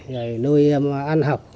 rồi nuôi em ăn học